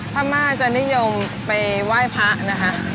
พระม่าจะนิยมไปไหว้พระนะคะ